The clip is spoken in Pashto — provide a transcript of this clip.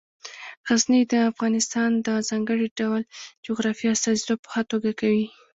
غزني د افغانستان د ځانګړي ډول جغرافیې استازیتوب په ښه توګه کوي.